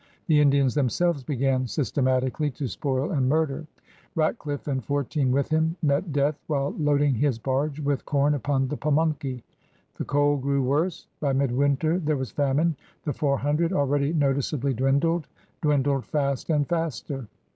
The Indians themselves began systematic ally to spoil and murder. Ratcliffe and fourteen 64 PIONEERS OF THE OLD SOUTH with him met death while loading his barge with com upon the Pamunkey. The cold grew worse. By midwinter there was famine. The four him dred — abeady noticeably dwindled — dwindled fast and faster.